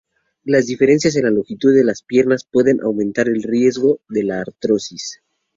Las diferencias en la longitud de las piernas pueden aumentar el riesgo de artrosis.